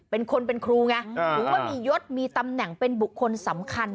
เป็นคนเป็นครูไงหรือว่ามียศมีตำแหน่งเป็นบุคคลสำคัญ